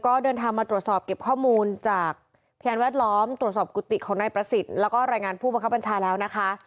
ก็เดินทางมาตรวจสอบเก็บข้อมูลจากพยานแวดล้อมตรวจสอบกุฏิของนายประสิทธิ์แล้วก็รายงานผู้บังคับบัญชาแล้วนะคะ